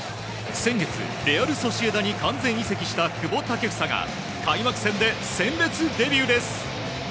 先月、レアル・ソシエダに完全移籍した久保建英が開幕戦で鮮烈デビューです。